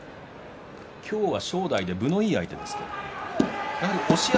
今日は正代分のいい相手ですね。